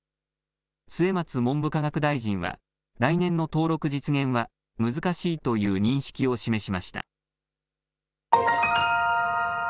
末松文部科学大臣は、来年の登録実現は難しいという認識を示しました。